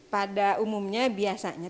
pada umumnya biasanya